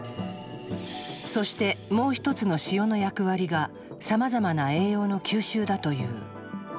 そしてもう一つの塩の役割がさまざまな栄養の吸収だという。